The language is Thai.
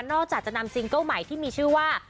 จะนำซิงเกิ้ลใหม่ที่มีชื่อว่า